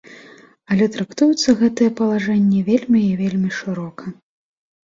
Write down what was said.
Але трактуюцца гэтыя палажэнні вельмі і вельмі шырока.